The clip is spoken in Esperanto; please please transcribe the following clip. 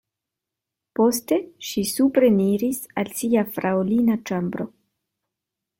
Poste ŝi supreniris al sia fraŭlina ĉambro.